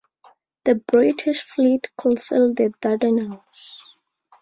The British Fleet could sail the Dardanelles.